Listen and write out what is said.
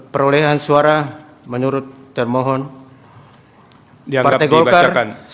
perolehan suara menurut termohon partai golkar sebelas sembilan ratus tujuh puluh satu